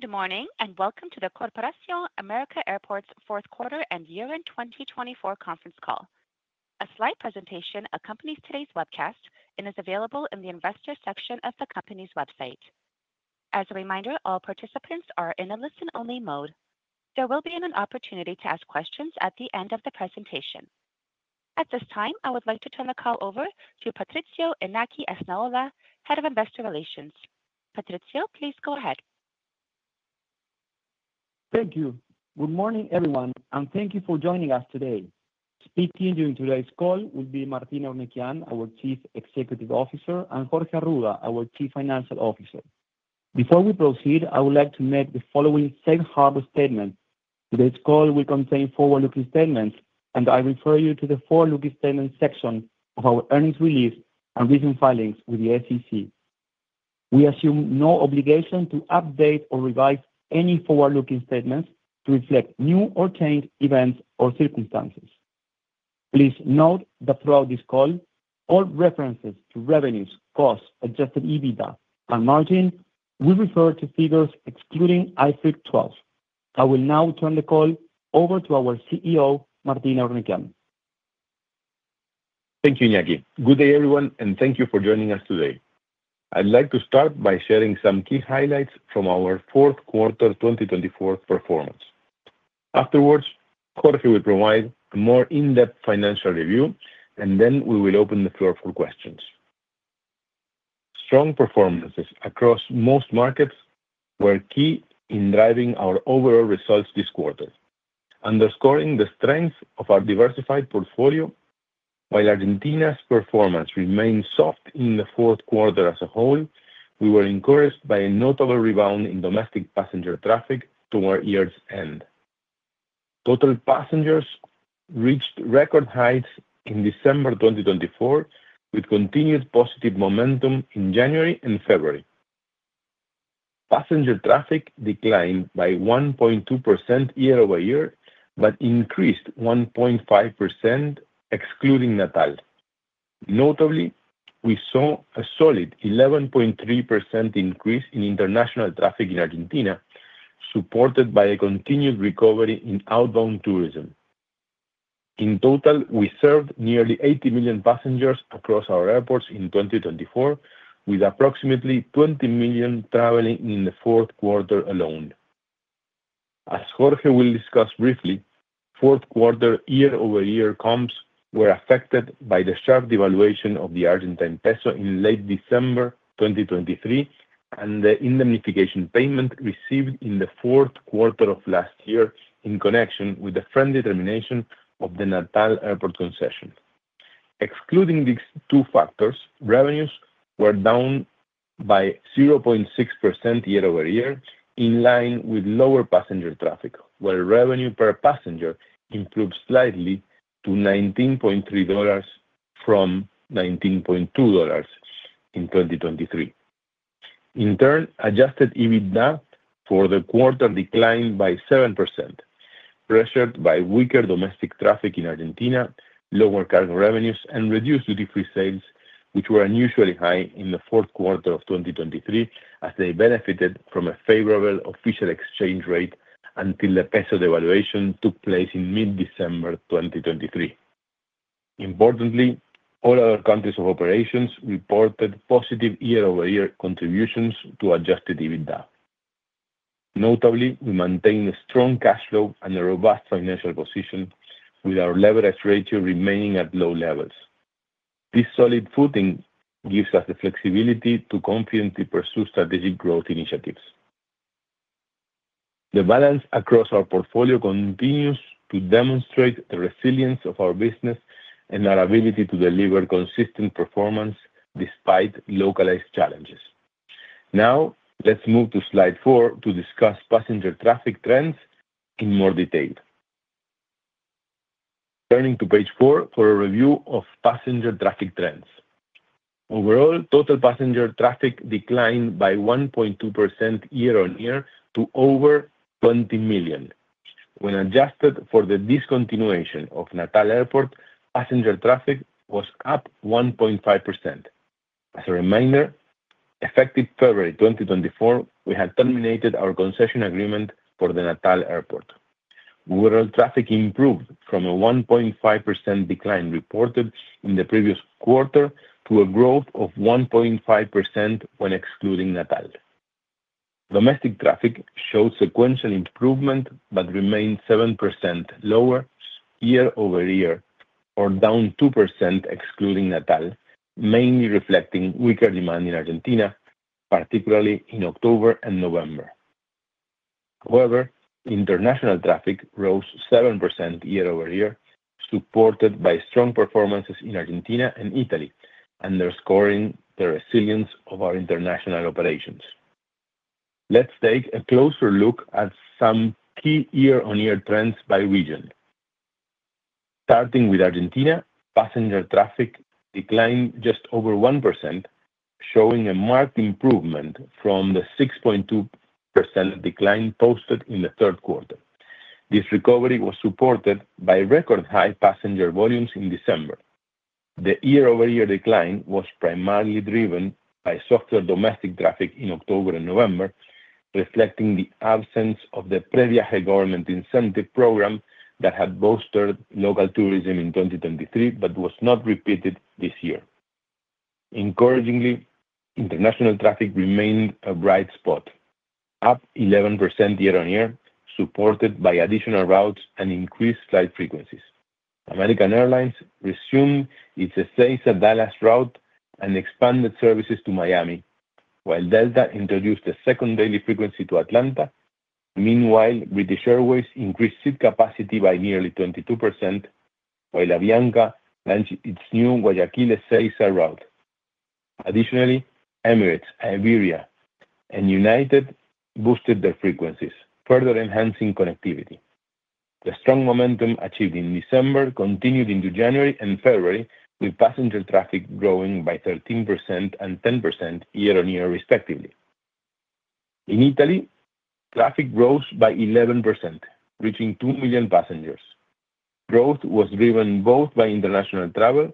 Good morning, and welcome to the Corporación América Airports Fourth Quarter and Year-End 2024 Conference Call. A slide presentation accompanies today's webcast and is available in the investor section of the company's website. As a reminder, all participants are in a listen-only mode. There will be an opportunity to ask questions at the end of the presentation. At this time, I would like to turn the call over to Patricio Iñaki Esnaola, Head of Investor Relations. Patricio, please go ahead. Thank you. Good morning, everyone, and thank you for joining us today. Speaking during today's call will be Martín Eurnekian, our Chief Executive Officer, and Jorge Arruda, our Chief Financial Officer. Before we proceed, I would like to make the following safe harbor statement. Today's call will contain forward-looking statements, and I refer you to the forward-looking statements section of our earnings release and recent filings with the SEC. We assume no obligation to update or revise any forward-looking statements to reflect new or changed events or circumstances. Please note that throughout this call, all references to revenues, costs, adjusted EBITDA, and margin will refer to figures excluding IFRIC 12. I will now turn the call over to our CEO, Martín Eurnekian. Thank you, Iñaki. Good day, everyone, and thank you for joining us today. I'd like to start by sharing some key highlights from our Fourth Quarter 2024 Performance. Afterwards, Jorge will provide a more in-depth financial review, and then we will open the floor for questions. Strong performances across most markets were key in driving our overall results this quarter, underscoring the strength of our diversified portfolio. While Argentina's performance remained soft in the fourth quarter as a whole, we were encouraged by a notable rebound in domestic passenger traffic toward year's end. Total passengers reached record heights in December 2024, with continued positive momentum in January and February. Passenger traffic declined by 1.2% year-over-year but increased 1.5% excluding Natal. Notably, we saw a solid 11.3% increase in international traffic in Argentina, supported by a continued recovery in outbound tourism. In total, we served nearly 80 million passengers across our airports in 2024, with approximately 20 million traveling in the fourth quarter alone. As Jorge will discuss briefly, fourth quarter year-over-year comps were affected by the sharp devaluation of the Argentine peso in late December 2023 and the indemnification payment received in the fourth quarter of last year in connection with the final determination of the Natal Airport concession. Excluding these two factors, revenues were down by 0.6% year-over-year, in line with lower passenger traffic, where revenue per passenger improved slightly to $19.3 from $19.2 in 2023. In turn, adjusted EBITDA for the quarter declined by 7%, pressured by weaker domestic traffic in Argentina, lower cargo revenues, and reduced duty-free sales, which were unusually high in the fourth quarter of 2023, as they benefited from a favorable official exchange rate until the peso devaluation took place in mid-December 2023. Importantly, all other countries of operations reported positive year-over-year contributions to adjusted EBITDA. Notably, we maintained a strong cash flow and a robust financial position, with our leverage ratio remaining at low levels. This solid footing gives us the flexibility to confidently pursue strategic growth initiatives. The balance across our portfolio continues to demonstrate the resilience of our business and our ability to deliver consistent performance despite localized challenges. Now, let's move to slide four to discuss passenger traffic trends in more detail. Turning to page four for a review of passenger traffic trends. Overall, total passenger traffic declined by 1.2% year-on-year to over 20 million. When adjusted for the discontinuation of Natal Airport, passenger traffic was up 1.5%. As a reminder, effective February 2024, we had terminated our concession agreement for the Natal Airport. Overall, traffic improved from a 1.5% decline reported in the previous quarter to a growth of 1.5% when excluding Natal. Domestic traffic showed sequential improvement but remained 7% lower year-over-year, or down 2% excluding Natal, mainly reflecting weaker demand in Argentina, particularly in October and November. However, international traffic rose 7% year-over-year, supported by strong performances in Argentina and Italy, underscoring the resilience of our international operations. Let's take a closer look at some key year-on-year trends by region. Starting with Argentina, passenger traffic declined just over 1%, showing a marked improvement from the 6.2% decline posted in the third quarter. This recovery was supported by record-high passenger volumes in December. The year-over-year decline was primarily driven by softer domestic traffic in October and November, reflecting the absence of the Previaje government incentive program that had bolstered local tourism in 2023 but was not repeated this year. Encouragingly, international traffic remained a bright spot, up 11% year-on-year, supported by additional routes and increased flight frequencies. American Airlines resumed its Ezeiza-Dallas route and expanded services to Miami, while Delta introduced a second daily frequency to Atlanta. Meanwhile, British Airways increased seat capacity by nearly 22%, while Avianca launched its new Guayaquil-Ezeiza route. Additionally, Emirates, Iberia, and United boosted their frequencies, further enhancing connectivity. The strong momentum achieved in December continued into January and February, with passenger traffic growing by 13% and 10% year-on-year, respectively. In Italy, traffic rose by 11%, reaching 2 million passengers. Growth was driven both by international travel,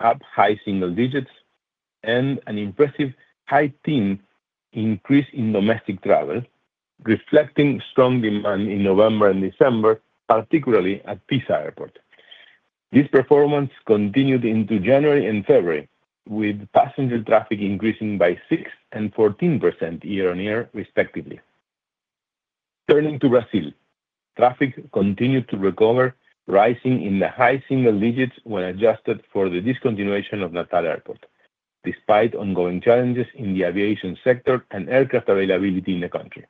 up high single digits, and an impressive 13% increase in domestic travel, reflecting strong demand in November and December, particularly at Pisa Airport. This performance continued into January and February, with passenger traffic increasing by 6% and 14% year-on-year, respectively. Turning to Brazil, traffic continued to recover, rising in the high single digits when adjusted for the discontinuation of Natal Airport, despite ongoing challenges in the aviation sector and aircraft availability in the country.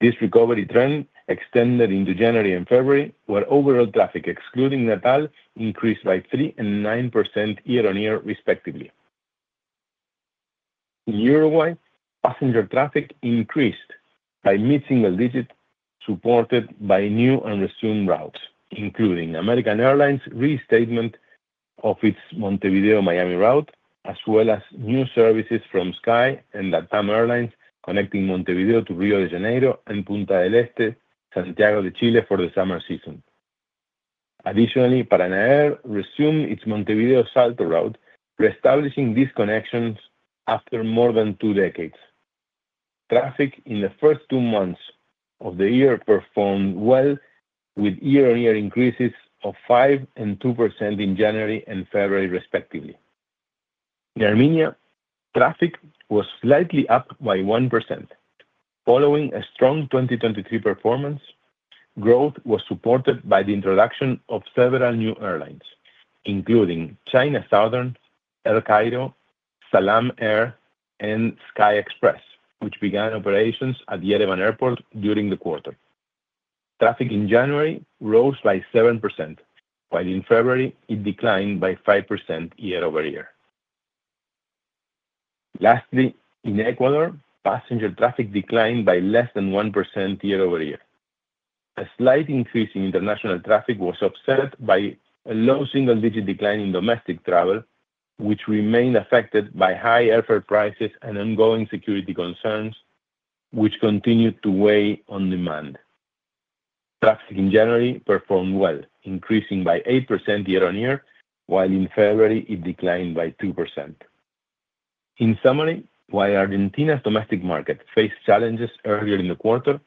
This recovery trend extended into January and February, where overall traffic, excluding Natal, increased by 3% and 9% year-on-year, respectively. In Uruguay, passenger traffic increased by mid-single digits, supported by new and resumed routes, including American Airlines' re-establishment of its Montevideo-Miami route, as well as new services from Sky Airline and LATAM Airlines connecting Montevideo to Rio de Janeiro and Punta del Este, Santiago de Chile for the summer season. Additionally, Paranair resumed its Montevideo-Salto route, reestablishing these connections after more than two decades. Traffic in the first two months of the year performed well, with year-on-year increases of 5% and 2% in January and February, respectively. In Armenia, traffic was slightly up by 1%. Following a strong 2023 performance, growth was supported by the introduction of several new airlines, including China Southern Airlines, Air Cairo, SalamAir, and Sky Express, which began operations at Yerevan Airport during the quarter. Traffic in January rose by 7%, while in February it declined by 5% year-over-year. Lastly, in Ecuador, passenger traffic declined by less than 1% year-over-year. A slight increase in international traffic was offset by a low single-digit decline in domestic travel, which remained affected by high airfare prices and ongoing security concerns, which continued to weigh on demand. Traffic in January performed well, increasing by 8% year-on-year, while in February it declined by 2%. In summary, while Argentina's domestic market faced challenges earlier in the quarter,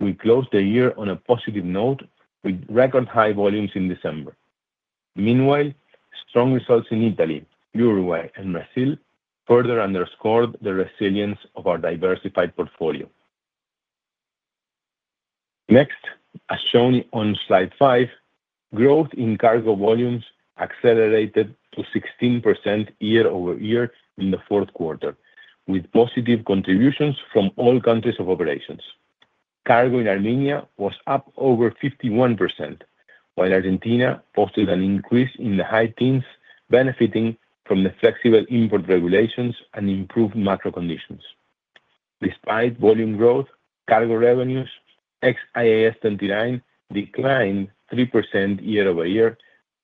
we closed the year on a positive note with record-high volumes in December. Meanwhile, strong results in Italy, Uruguay, and Brazil further underscored the resilience of our diversified portfolio. Next, as shown on slide five, growth in cargo volumes accelerated to 16% year-over-year in the fourth quarter, with positive contributions from all countries of operations. Cargo in Armenia was up over 51%, while Argentina posted an increase in the high teens, benefiting from the flexible import regulations and improved macro conditions. Despite volume growth, cargo revenues, ex-IAS 29, declined 3% year-over-year,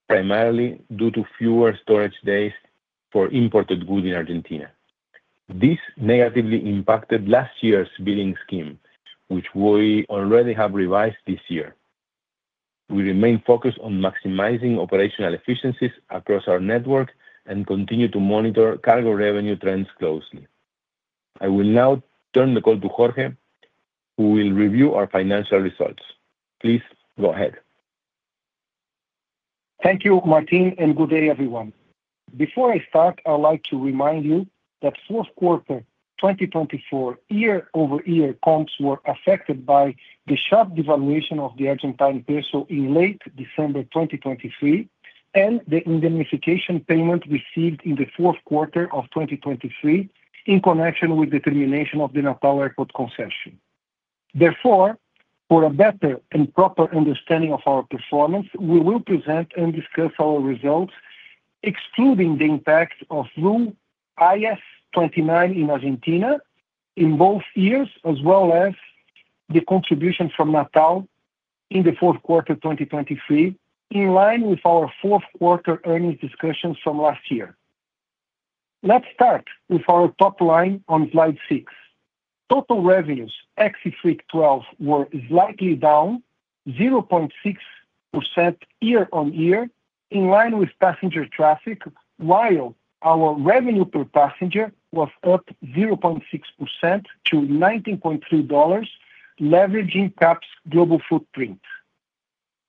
primarily due to fewer storage days for imported goods in Argentina. This negatively impacted last year's billing scheme, which we already have revised this year. We remain focused on maximizing operational efficiencies across our network and continue to monitor cargo revenue trends closely. I will now turn the call to Jorge, who will review our financial results. Please go ahead. Thank you, Martín, and good day, everyone. Before I start, I'd like to remind you that fourth quarter 2024 year-over-year comps were affected by the sharp devaluation of the Argentine peso in late December 2023 and the indemnification payment received in the fourth quarter of 2023 in connection with the termination of the Natal Airport concession. Therefore, for a better and proper understanding of our performance, we will present and discuss our results excluding the impact of through IAS 29 in Argentina in both years, as well as the contribution from Natal in the fourth quarter 2023, in line with our fourth quarter earnings discussions from last year. Let's start with our top line on slide six. Total revenues, ex-IFRIC 12, were slightly down 0.6% year-on-year, in line with passenger traffic, while our revenue per passenger was up 0.6% to $19.3, leveraging CAAP's global footprint.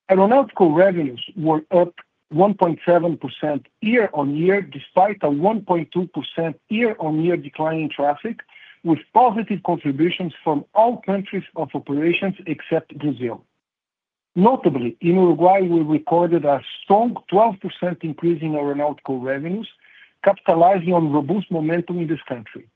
Aeronautical revenues were up 1.7% year-on-year, despite a 1.2% year-on-year decline in traffic, with positive contributions from all countries of operations except Brazil. Notably, in Uruguay, we recorded a strong 12% increase in aeronautical revenues, capitalizing on robust momentum in this country.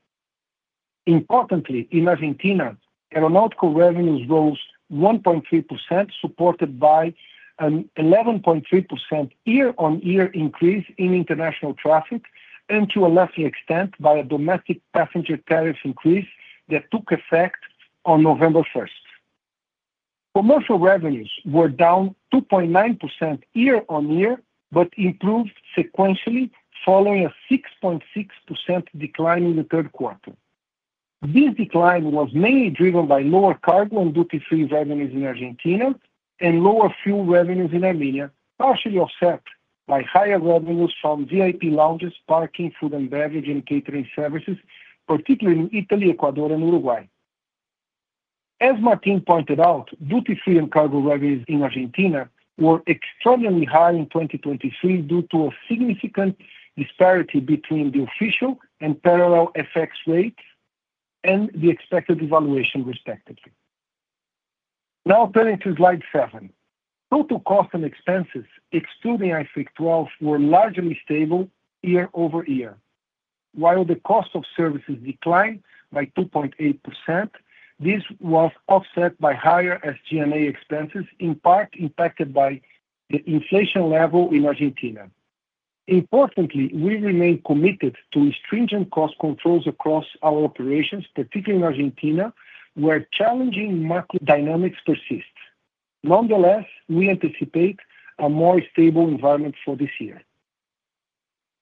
Importantly, in Argentina, aeronautical revenues rose 1.3%, supported by an 11.3% year-on-year increase in international traffic, and to a lesser extent by a domestic passenger tariff increase that took effect on November 1st. Commercial revenues were down 2.9% year-on-year but improved sequentially following a 6.6% decline in the third quarter. This decline was mainly driven by lower cargo and duty-free revenues in Argentina and lower fuel revenues in Armenia, partially offset by higher revenues from VIP lounges, parking, food and beverage, and catering services, particularly in Italy, Ecuador, and Uruguay. As Martín pointed out, duty-free and cargo revenues in Argentina were extraordinarily high in 2023 due to a significant disparity between the official and parallel FX rates and the expected devaluation, respectively. Now, turning to slide seven, total costs and expenses, excluding IFRIC 12, were largely stable year-over-year. While the cost of services declined by 2.8%, this was offset by higher SG&A expenses, in part impacted by the inflation level in Argentina. Importantly, we remain committed to stringent cost controls across our operations, particularly in Argentina, where challenging macro dynamics persist. Nonetheless, we anticipate a more stable environment for this year.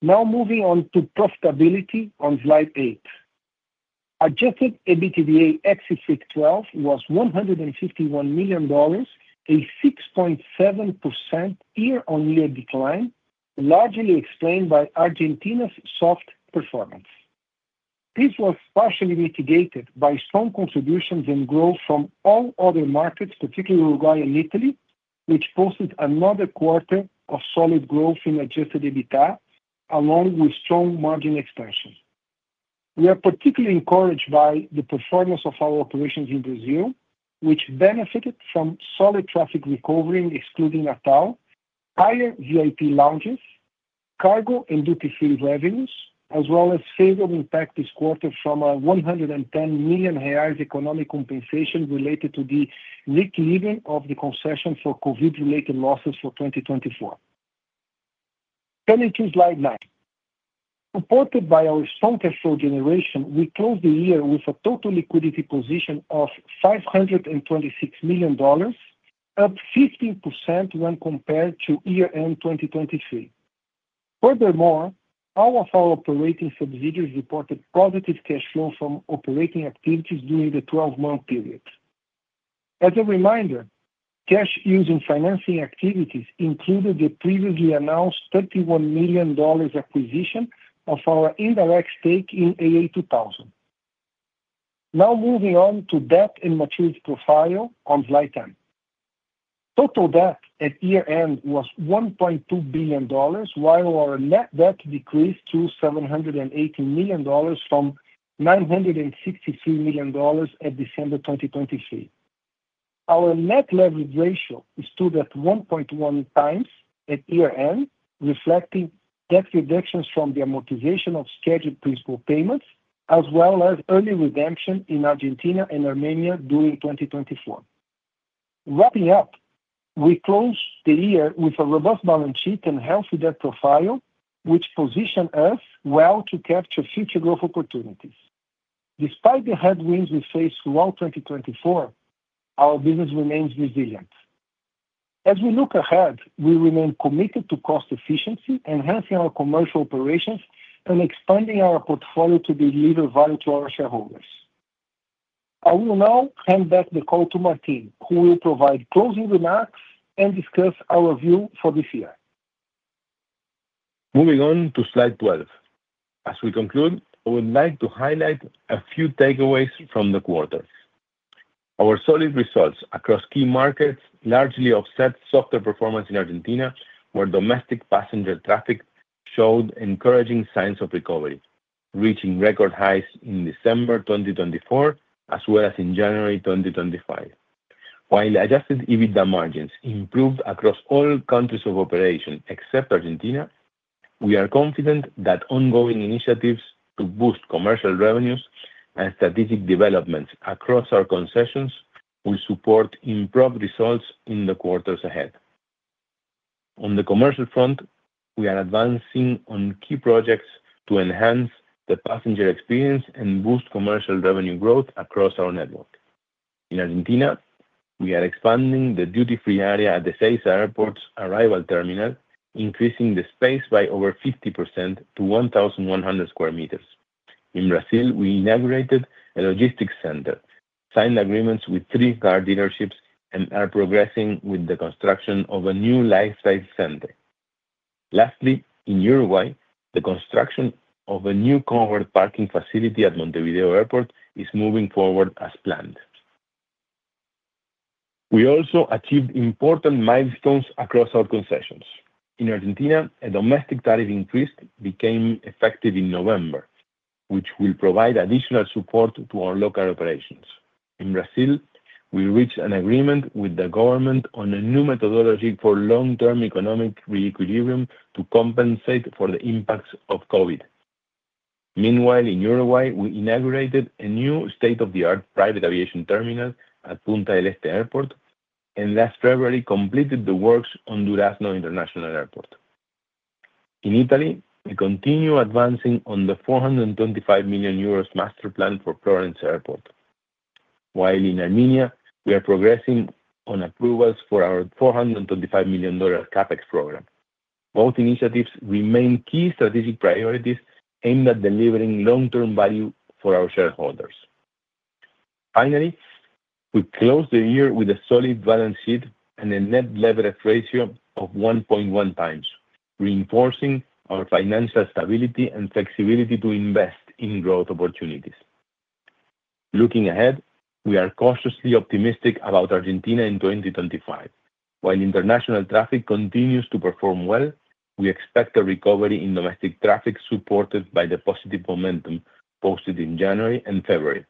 Now, moving on to profitability on slide eight. Adjusted EBITDA ex-IFRIC 12 was $151 million, a 6.7% year-on-year decline, largely explained by Argentina's soft performance. This was partially mitigated by strong contributions and growth from all other markets, particularly Uruguay and Italy, which posted another quarter of solid growth in adjusted EBITDA, along with strong margin expansion. We are particularly encouraged by the performance of our operations in Brazil, which benefited from solid traffic recovery, excluding Natal, higher VIP lounges, cargo and duty-free revenues, as well as favorable impact this quarter from a $110 million economic compensation related to the re-equilibrium of the concession for COVID-related losses for 2024. Turning to slide nine, supported by our strong cash flow generation, we closed the year with a total liquidity position of $526 million, up 15% when compared to year-end 2023. Furthermore, all of our operating subsidiaries reported positive cash flow from operating activities during the 12-month period. As a reminder, cash used in financing activities included the previously announced $31 million acquisition of our indirect stake in AA2000. Now, moving on to debt and maturity profile on slide ten. Total debt at year-end was $1.2 billion, while our net debt decreased to $780 million from $963 million at December 2023. Our net leverage ratio stood at 1.1 times at year-end, reflecting debt reductions from the amortization of scheduled principal payments, as well as early redemption in Argentina and Armenia during 2024. Wrapping up, we closed the year with a robust balance sheet and healthy debt profile, which positioned us well to capture future growth opportunities. Despite the headwinds we faced throughout 2024, our business remains resilient. As we look ahead, we remain committed to cost efficiency, enhancing our commercial operations and expanding our portfolio to deliver value to our shareholders. I will now hand back the call to Martín, who will provide closing remarks and discuss our view for this year. Moving on to slide 12. As we conclude, I would like to highlight a few takeaways from the quarter. Our solid results across key markets largely offset softer performance in Argentina, where domestic passenger traffic showed encouraging signs of recovery, reaching record highs in December 2024, as well as in January 2025. While adjusted EBITDA margins improved across all countries of operation except Argentina, we are confident that ongoing initiatives to boost commercial revenues and strategic developments across our concessions will support improved results in the quarters ahead. On the commercial front, we are advancing on key projects to enhance the passenger experience and boost commercial revenue growth across our network. In Argentina, we are expanding the duty-free area at the Ezeiza Airports Arrival Terminal, increasing the space by over 50% to 1,100 sq m. In Brazil, we inaugurated a logistics center, signed agreements with three car dealerships, and are progressing with the construction of a new Lifestyle Center. Lastly, in Uruguay, the construction of a new covered parking facility at Montevideo Airport is moving forward as planned. We also achieved important milestones across our concessions. In Argentina, a domestic tariff increase became effective in November, which will provide additional support to our local operations. In Brazil, we reached an agreement with the government on a new methodology for long-term economic re-equilibrium to compensate for the impacts of COVID. Meanwhile, in Uruguay, we inaugurated a new state-of-the-art private aviation terminal at Punta del Este Airport, and last February completed the works on Durazno International Airport. In Italy, we continue advancing on the 425 million euros master plan for Florence Airport, while in Armenia, we are progressing on approvals for our $425 million CapEx program. Both initiatives remain key strategic priorities aimed at delivering long-term value for our shareholders. Finally, we closed the year with a solid balance sheet and a net leverage ratio of 1.1 times, reinforcing our financial stability and flexibility to invest in growth opportunities. Looking ahead, we are cautiously optimistic about Argentina in 2025. While international traffic continues to perform well, we expect a recovery in domestic traffic supported by the positive momentum posted in January and February.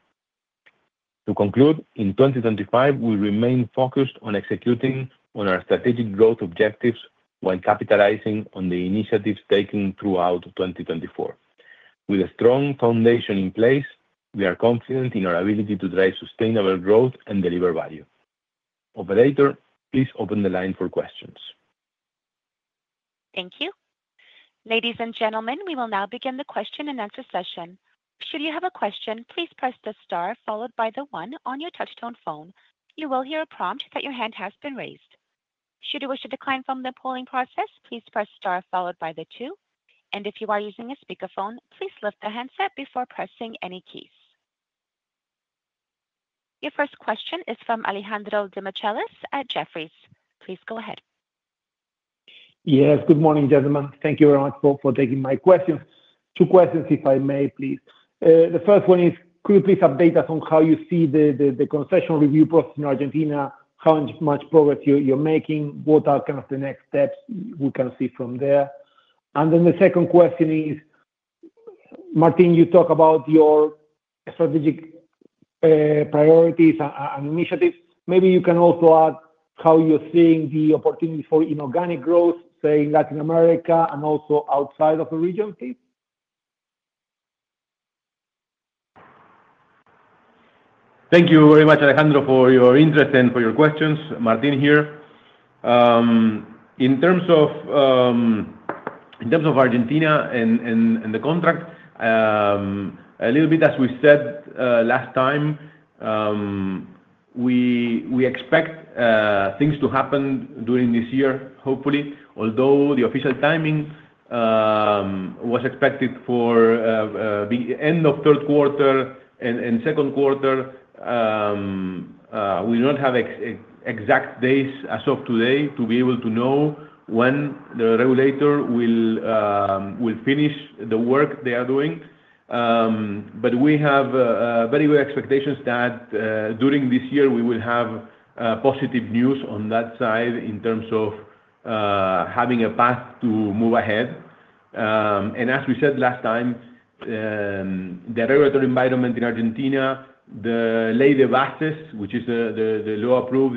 To conclude, in 2025, we remain focused on executing on our strategic growth objectives while capitalizing on the initiatives taken throughout 2024. With a strong foundation in place, we are confident in our ability to drive sustainable growth and deliver value. Operator, please open the line for questions. Thank you. Ladies and gentlemen, we will now begin the question and answer session. Should you have a question, please press the star followed by the one on your touchtone phone. You will hear a prompt that your hand has been raised. Should you wish to decline from the polling process, please press star followed by the two. If you are using a speakerphone, please lift the handset before pressing any keys. Your first question is from Alejandro Demichelis at Jefferies. Please go ahead. Yes, good morning, gentlemen. Thank you very much for taking my question. Two questions, if I may, please. The first one is, could you please update us on how you see the concession review process in Argentina, how much progress you're making, what are kind of the next steps we can see from there? The second question is, Martín, you talk about your strategic priorities and initiatives. Maybe you can also add how you're seeing the opportunities for inorganic growth, say, in Latin America and also outside of the region, please? Thank you very much, Alejandro, for your interest and for your questions. Martín here. In terms of Argentina and the contract, a little bit, as we said last time, we expect things to happen during this year, hopefully. Although the official timing was expected for the end of third quarter and second quarter, we do not have exact days as of today to be able to know when the regulator will finish the work they are doing. We have very good expectations that during this year, we will have positive news on that side in terms of having a path to move ahead. As we said last time, the regulatory environment in Argentina, the Ley de Bases, which is the law approved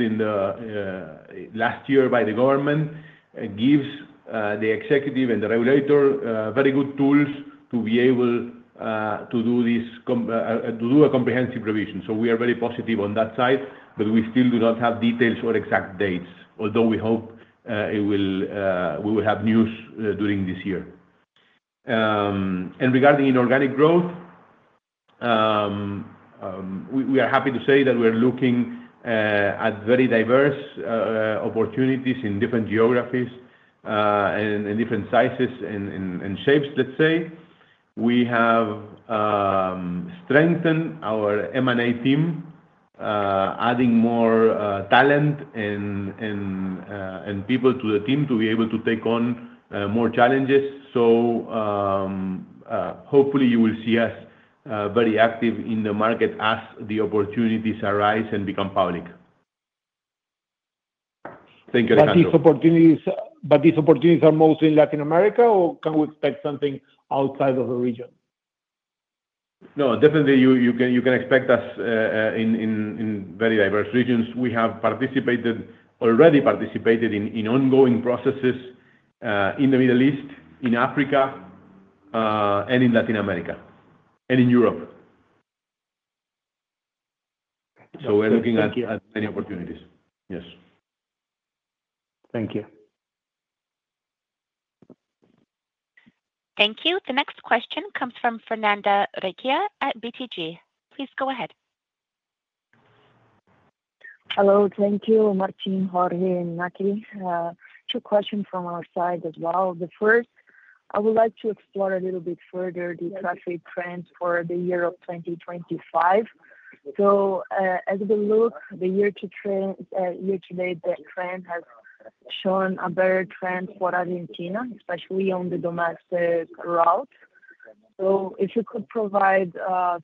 last year by the government, gives the executive and the regulator very good tools to be able to do a comprehensive provision. We are very positive on that side, but we still do not have details or exact dates, although we hope we will have news during this year. Regarding inorganic growth, we are happy to say that we are looking at very diverse opportunities in different geographies and different sizes and shapes, let's say. We have strengthened our M&A team, adding more talent and people to the team to be able to take on more challenges. Hopefully, you will see us very active in the market as the opportunities arise and become public. Thank you, Alejandro. Are these opportunities mostly in Latin America, or can we expect something outside of the region? No, definitely, you can expect us in very diverse regions. We have already participated in ongoing processes in the Middle East, in Africa, and in Latin America and in Europe. We are looking at many opportunities. Yes. Thank you. Thank you. The next question comes from Fernanda Recchia at BTG. Please go ahead. Hello. Thank you, Martín, Jorge, and Iñaki. Two questions from our side as well. The first, I would like to explore a little bit further the traffic trends for the year of 2025. As we look at the year-to-date, the trend has shown a better trend for Argentina, especially on the domestic route. If you could provide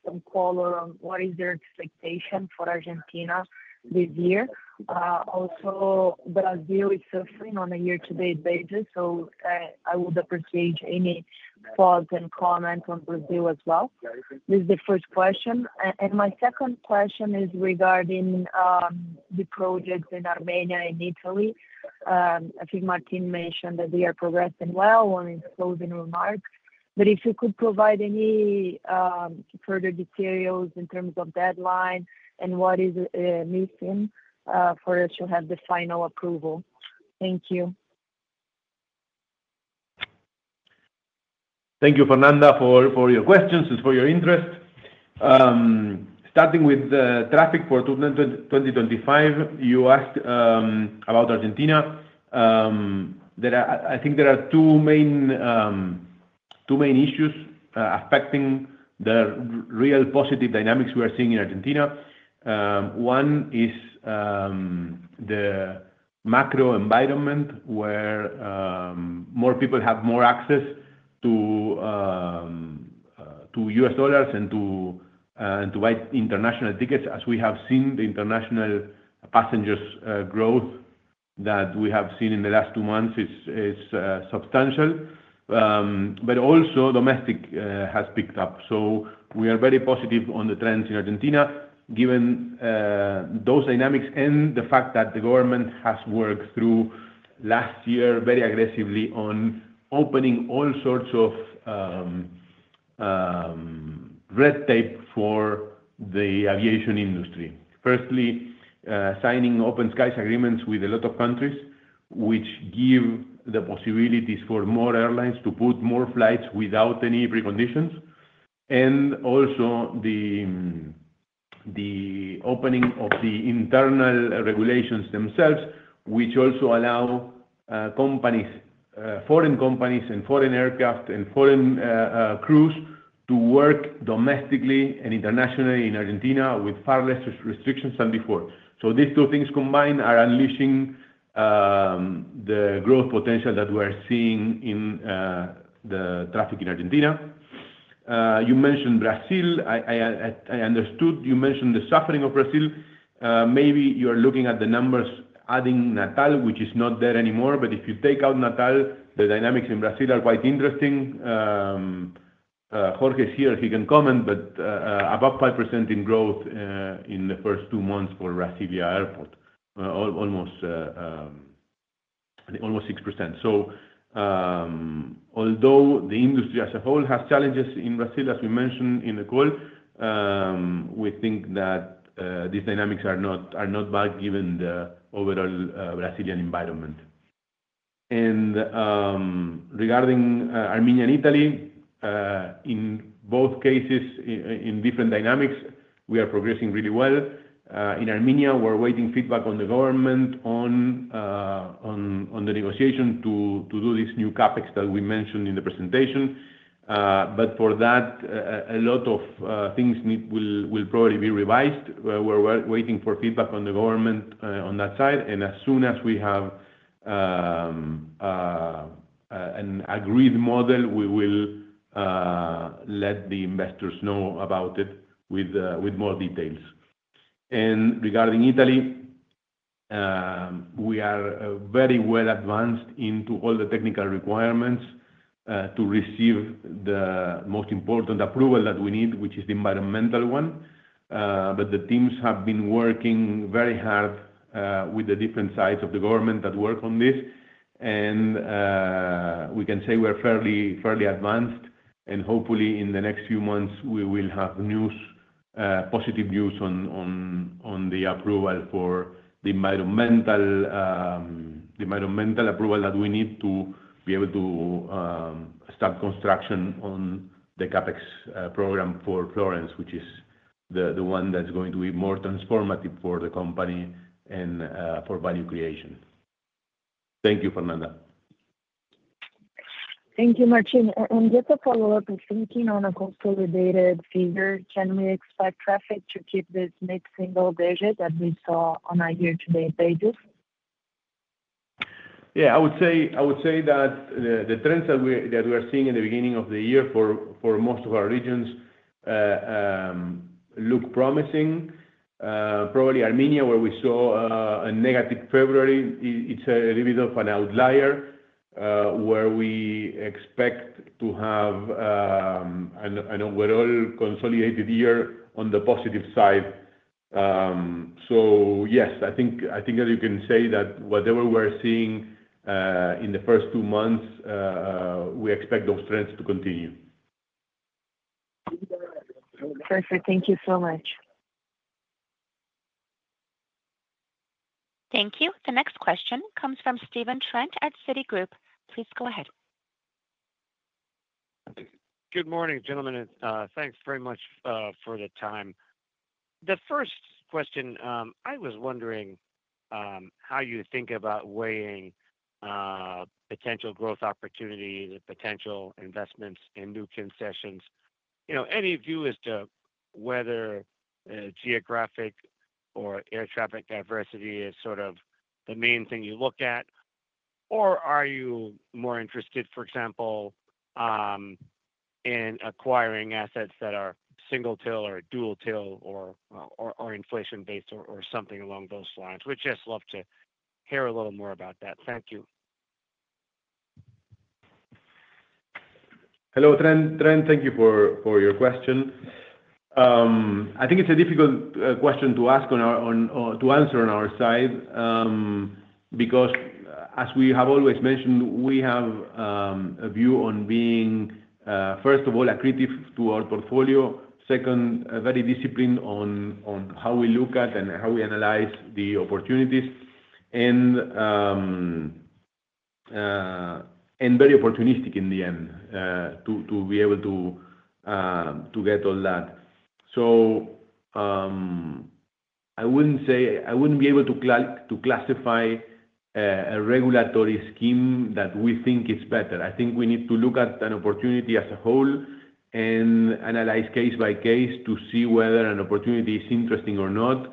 some color on what is your expectation for Argentina this year. Also, Brazil is suffering on a year-to-date basis, so I would appreciate any thoughts and comments on Brazil as well. This is the first question. My second question is regarding the projects in Armenia and Italy. I think Martín mentioned that they are progressing well in his closing remarks. If you could provide any further details in terms of deadline and what is missing for us to have the final approval. Thank you. Thank you, Fernanda, for your questions and for your interest. Starting with the traffic for 2025, you asked about Argentina. I think there are two main issues affecting the real positive dynamics we are seeing in Argentina. One is the macro environment where more people have more access to U.S. dollars and to buy international tickets, as we have seen the international passengers' growth that we have seen in the last two months is substantial. Also, domestic has picked up. We are very positive on the trends in Argentina, given those dynamics and the fact that the government has worked through last year very aggressively on opening all sorts of red tape for the aviation industry. Firstly, signing open skies agreements with a lot of countries, which give the possibilities for more airlines to put more flights without any preconditions. Also, the opening of the internal regulations themselves, which also allow foreign companies and foreign aircraft and foreign crews to work domestically and internationally in Argentina with far fewer restrictions than before. These two things combined are unleashing the growth potential that we are seeing in the traffic in Argentina. You mentioned Brazil. I understood you mentioned the suffering of Brazil. Maybe you are looking at the numbers adding Natal, which is not there anymore. If you take out Natal, the dynamics in Brazil are quite interesting. Jorge is here. He can comment, but about 5% in growth in the first two months for Recife Airport, almost 6%. Although the industry as a whole has challenges in Brazil, as we mentioned in the call, we think that these dynamics are not bad, given the overall Brazilian environment. Regarding Armenia and Italy, in both cases, in different dynamics, we are progressing really well. In Armenia, we're awaiting feedback from the government on the negotiation to do this new CapEx that we mentioned in the presentation. For that, a lot of things will probably be revised. We're waiting for feedback from the government on that side. As soon as we have an agreed model, we will let the investors know about it with more details. Regarding Italy, we are very well advanced into all the technical requirements to receive the most important approval that we need, which is the environmental one. The teams have been working very hard with the different sides of the government that work on this. We can say we're fairly advanced. Hopefully, in the next few months, we will have positive news on the approval for the environmental approval that we need to be able to start construction on the CapEx program for Florence, which is the one that's going to be more transformative for the company and for value creation. Thank you, Fernanda. Thank you, Martín. Just a follow-up. Thinking on a consolidated figure, can we expect traffic to keep this mid-single digit that we saw on a year-to-date basis? Yeah. I would say that the trends that we are seeing in the beginning of the year for most of our regions look promising. Probably Armenia, where we saw a negative February, is a little bit of an outlier where we expect to have an overall consolidated year on the positive side. Yes, I think that you can say that whatever we are seeing in the first two months, we expect those trends to continue. Perfect. Thank you so much. Thank you. The next question comes from Stephen Trent at Citigroup. Please go ahead. Good morning, gentlemen. Thanks very much for the time. The first question, I was wondering how you think about weighing potential growth opportunities and potential investments in new concessions. Any view as to whether geographic or air traffic diversity is sort of the main thing you look at, or are you more interested, for example, in acquiring assets that are single-till or dual-till or inflation-based or something along those lines? We'd just love to hear a little more about that. Thank you. Hello, Trent. Thank you for your question. I think it's a difficult question to answer on our side because, as we have always mentioned, we have a view on being, first of all, accretive to our portfolio. Second, very disciplined on how we look at and how we analyze the opportunities and very opportunistic in the end to be able to get all that. I wouldn't be able to classify a regulatory scheme that we think is better. I think we need to look at an opportunity as a whole and analyze case by case to see whether an opportunity is interesting or not.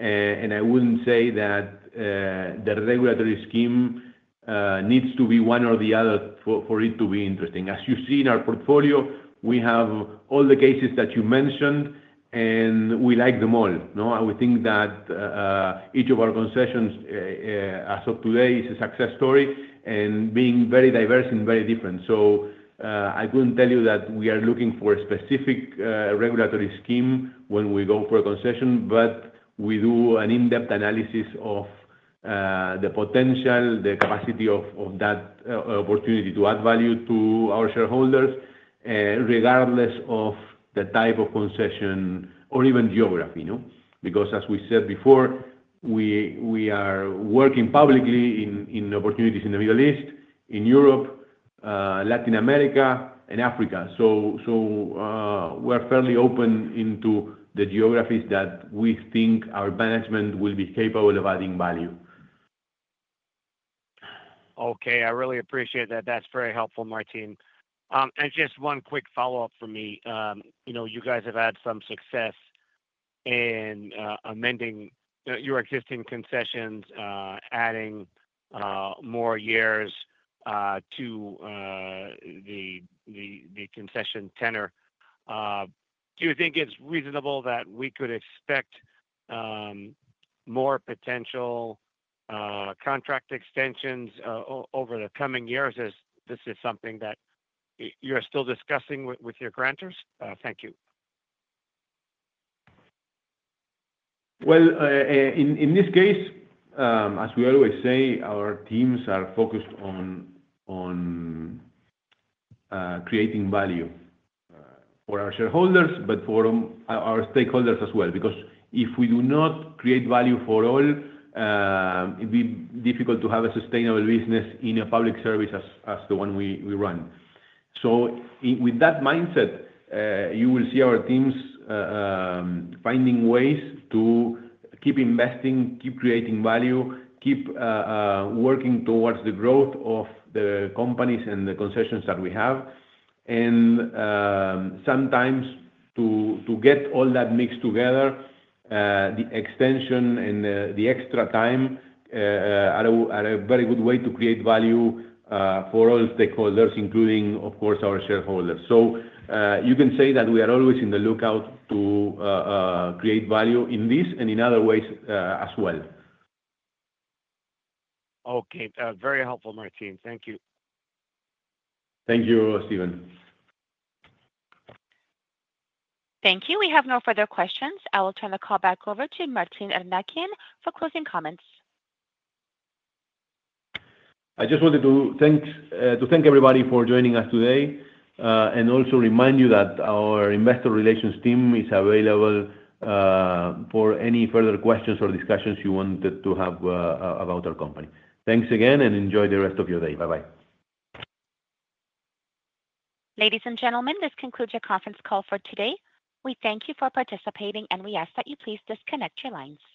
I wouldn't say that the regulatory scheme needs to be one or the other for it to be interesting. As you see in our portfolio, we have all the cases that you mentioned, and we like them all. We think that each of our concessions as of today is a success story and being very diverse and very different. I couldn't tell you that we are looking for a specific regulatory scheme when we go for a concession, but we do an in-depth analysis of the potential, the capacity of that opportunity to add value to our shareholders, regardless of the type of concession or even geography. As we said before, we are working publicly in opportunities in the Middle East, in Europe, Latin America, and Africa. We are fairly open into the geographies that we think our management will be capable of adding value. Okay. I really appreciate that. That's very helpful, Martín. Just one quick follow-up for me. You guys have had some success in amending your existing concessions, adding more years to the concession tenor. Do you think it's reasonable that we could expect more potential contract extensions over the coming years as this is something that you're still discussing with your grantors? Thank you. In this case, as we always say, our teams are focused on creating value for our shareholders, but for our stakeholders as well. Because if we do not create value for all, it will be difficult to have a sustainable business in a public service as the one we run. With that mindset, you will see our teams finding ways to keep investing, keep creating value, keep working towards the growth of the companies and the concessions that we have. Sometimes, to get all that mixed together, the extension and the extra time are a very good way to create value for all stakeholders, including, of course, our shareholders. You can say that we are always in the lookout to create value in this and in other ways as well. Okay. Very helpful, Martín. Thank you. Thank you, Stephen. Thank you. We have no further questions. I will turn the call back over to Martín Eurnekian for closing comments. I just wanted to thank everybody for joining us today and also remind you that our investor relations team is available for any further questions or discussions you wanted to have about our company. Thanks again, and enjoy the rest of your day. Bye-bye. Ladies and gentlemen, this concludes your conference call for today. We thank you for participating, and we ask that you please disconnect your lines.